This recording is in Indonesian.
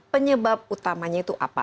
penyebab utamanya itu apa